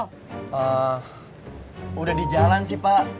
eee udah di jalan sih pak